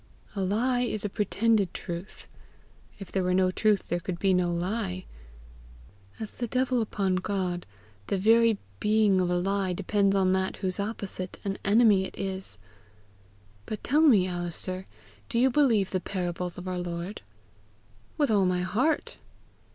A lie is a pretended truth. If there were no truth there could be no lie. As the devil upon God, the very being of a lie depends on that whose opposite and enemy it is. But tell me, Alister, do you believe the parables of our Lord?" "With all my heart."